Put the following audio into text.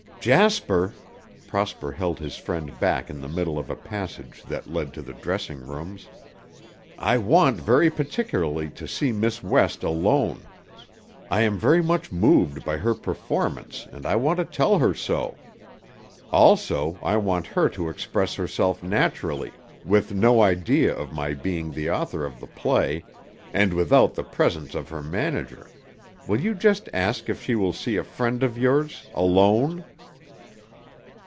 "Jasper," Prosper held his friend back in the middle of a passage that led to the dressing rooms, "I want very particularly to see Miss West alone. I am very much moved by her performance and I want to tell her so. Also, I want her to express herself naturally with no idea of my being the author of the play and without the presence of her manager. Will you just ask if she will see a friend of yours alone?"